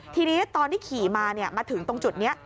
ทีนี้ตอนที่ขี่มามาถึงตรงจุดนี้